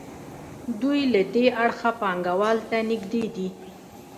دوی له دې اړخه پانګوال ته نږدې دي.